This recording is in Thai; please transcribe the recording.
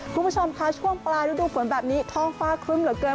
คุณผู้ชมคะช่วงปลายฤดูฝนแบบนี้ท้องฟ้าครึ้มเหลือเกิน